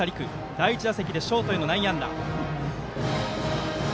第１打席でショートへの内野安打。